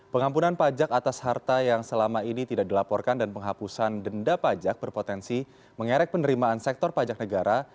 pengampunan pajak atas harta yang selama ini tidak dilaporkan dan penghapusan denda pajak berpotensi mengerek penerimaan sektor pajak negara